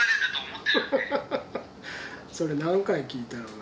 それ何回聞いたろうな。